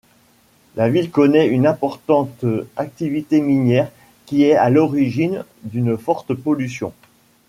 La ville connaît une important activité minière qui est à l'origine d'une forte pollution.